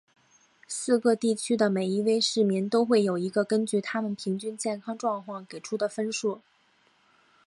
四个地区的每一位市民都会有一个根据他们平均健康状况给出的分数。